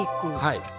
はい。